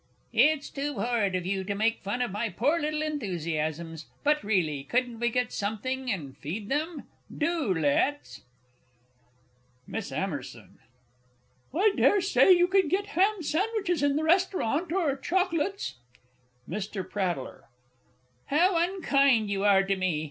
It's too horrid of you to make fun of my poor little enthusiasms! But really, couldn't we get something and feed them? Do let's! MISS A. I dare say you could get ham sandwiches in the Restaurant or chocolates. MR. P. How unkind you are to me!